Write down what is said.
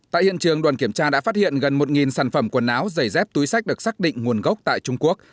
tại hiện trường đoàn kiểm tra đã phát hiện gần một sản phẩm quần áo giày dép túi sách được xác định nguồn gốc tại trung quốc